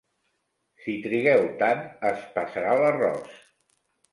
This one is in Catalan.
Si trigueu tant, es passarà l'arròs.